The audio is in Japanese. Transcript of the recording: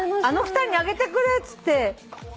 あの２人にあげてくれっつって。